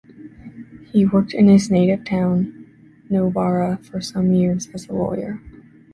He worked in his native town, Novara, for some years as a lawyer.